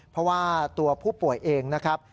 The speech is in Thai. เพราะว่าตัวผู้ป่วยเองนะครับ